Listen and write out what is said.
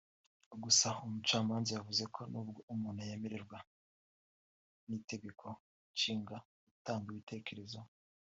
Gusa Umucamanza yavuze ko nubwo umuntu yemererwa n’Itegeko Nshinga gutanga ibitekerezo